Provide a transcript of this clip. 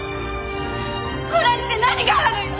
殺して何が悪いの！？